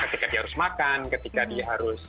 ketika dia harus makan ketika dia harus